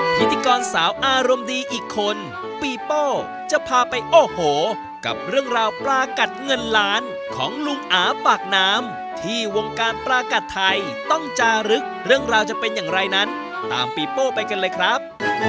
พิธีกรสาวอารมณ์ดีอีกคนปีโป้จะพาไปโอ้โหกับเรื่องราวปลากัดเงินล้านของลุงอาปากน้ำที่วงการปลากัดไทยต้องจารึกเรื่องราวจะเป็นอย่างไรนั้นตามปีโป้ไปกันเลยครับ